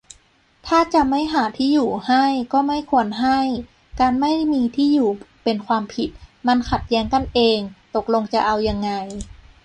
ถ้าจะไม่หาที่อยู่ให้ ก็ไม่ควรให้ การไม่มีที่อยู่ เป็นความผิด - มันขัดแย้งกันเอง ตกลงจะเอายังไง